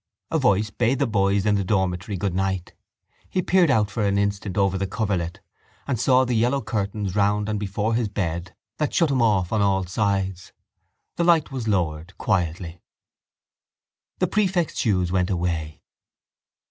A voice bade the boys in the dormitory goodnight. He peered out for an instant over the coverlet and saw the yellow curtains round and before his bed that shut him off on all sides. The light was lowered quietly. The prefect's shoes went away.